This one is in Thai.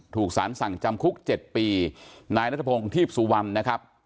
ถูกสารสั่งจำคุก๗ปีนายนัทพงศ์ทีพสุวรรณนะครับ